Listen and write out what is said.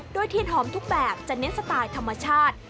โดยเทียนหอมทุกแบบจะเน้นสไตล์ธรรมชาติ